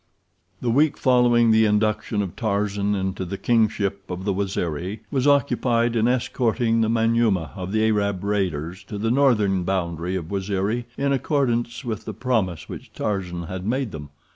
The week following the induction of Tarzan into the kingship of the Waziri was occupied in escorting the Manyuema of the Arab raiders to the northern boundary of Waziri in accordance with the promise which Tarzan had made them.